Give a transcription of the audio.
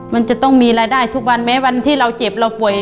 มันจะต้องมีรายได้ทุกวันแม้วันที่เราเจ็บเราป่วย